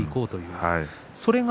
それが？